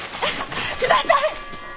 ください！